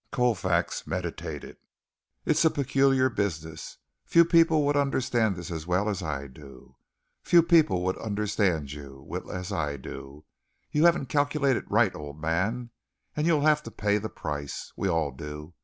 Colfax meditated. "It's a peculiar business. Few people would understand this as well as I do. Few people would understand you, Witla, as I do. You haven't calculated right, old man, and you'll have to pay the price. We all do.